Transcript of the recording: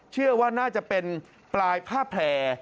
เชื่อว่าน่าจะเป็นปลายผ้าแผล